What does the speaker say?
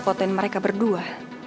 poten mereka berdua